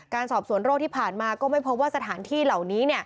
การสอบสวนโรคที่ผ่านมาก็ไม่พบว่าสถานที่เหล่านี้